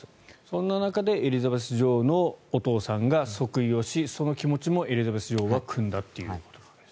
そんな中でエリザベス女王のお父さんが即位をし、その気持ちをエリザベス女王はくんだと。